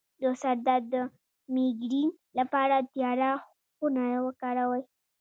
د سر درد د میګرین لپاره تیاره خونه وکاروئ